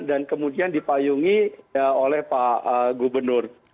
dan kemudian dipayungi oleh pak gubernur